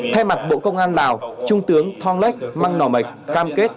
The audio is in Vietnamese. thay mặt bộ công an lào trung tướng thong lech mang nòi mệch cam kết